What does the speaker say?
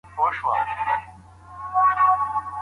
ښه مقام یوازي با استعداده کسانو ته نه سي منسوبېدلای.